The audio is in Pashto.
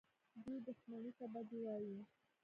دوى دښمني ته بدي وايي.